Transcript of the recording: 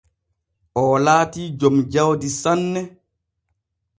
Oo laatii jom jawdi sanne.